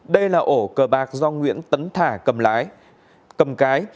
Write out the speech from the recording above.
đây là ổ cờ bạc do nguyễn tấn thả cầm lái cầm cái